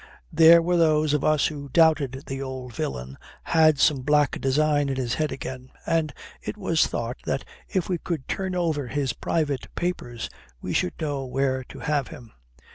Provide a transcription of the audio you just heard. There were those of us who doubted the old villain had some black design in his head again, and it was thought that if we could turn over his private papers, we should know where to have him.